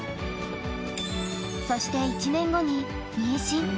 そして１年後に妊娠。